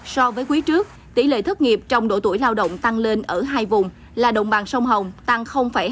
so với quý trước tỷ lệ thất nghiệp trong độ tuổi lao động tăng lên ở hai vùng là đồng bằng sông hồng tăng ba mươi